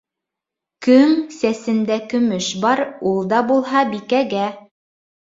Көң сәсендә көмөш бар. ул да булһа бикәгә.